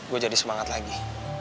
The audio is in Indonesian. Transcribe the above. gua jadi semangat lagi